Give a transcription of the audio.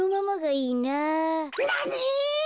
なに！？